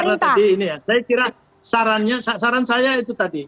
ini kalau tadi ini ya saya kira sarannya saran saya itu tadi